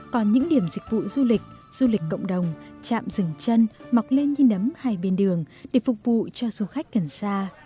còn những điểm dịch vụ du lịch du lịch cộng đồng chạm rừng chân mọc lên như nấm hai bên đường để phục vụ cho du khách gần xa